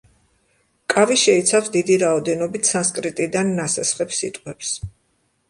კავი შეიცავს დიდი რაოდენობით სანსკრიტიდან ნასესხებ სიტყვებს.